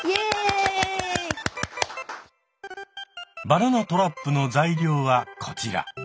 バナナトラップの材料はこちら。